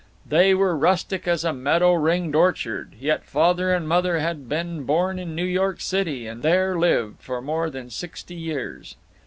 They were rustic as a meadow ringed orchard, yet Father and Mother had been born in New York City, and there lived for more than sixty years.